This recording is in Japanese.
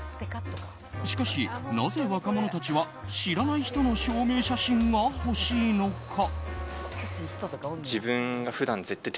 しかし、なぜ若者たちは知らない人の証明写真が欲しいのか。